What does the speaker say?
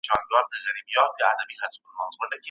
کله د زده کوونکو تبادله ترسره کیږي؟